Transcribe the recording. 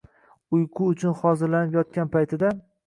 Uyqu uchun hozirlanib yotgan paytida